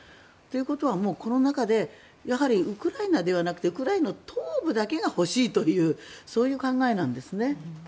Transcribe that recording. ということは、この中でウクライナではなくてウクライナ東部だけが欲しいというそういう考えなんですね。